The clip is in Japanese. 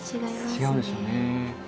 違うでしょうね。